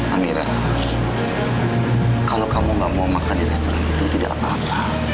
amira kalau kamu gak mau makan di restoran itu tidak apa apa